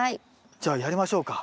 じゃあやりましょうか。